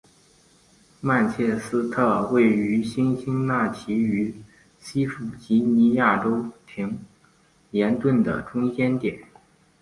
曼彻斯特位于辛辛那提与西弗吉尼亚州亨廷顿的中间点。